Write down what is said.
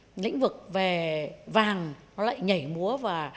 và cái lĩnh vực về thị trường vàng nó lại nhảy múa